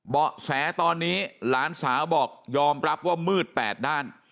เบาะแสตอนนี้หลานสาวบอกยอมรับว่ามืด๘ด้าน